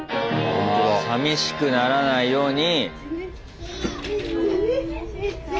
あさみしくならないように。